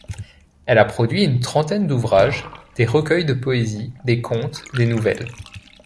Elle a produit une trentaine d'ouvrages, des recueils de poésie, des contes, des nouvelles...